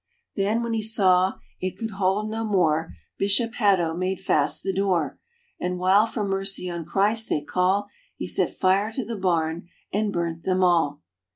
"Then when he saw it could hold no more, Bishop Hatto made fast the door, And while for mercy on Christ they call, He set fire to the barn and burnt them all.